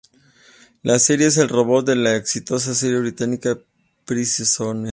La serie es el reboot de la exitosa serie británica "Prisoner".